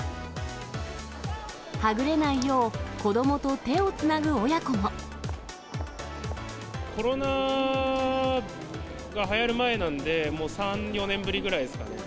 はぐれないよう、コロナがはやる前なんで、もう３、４年ぶりぐらいですかね。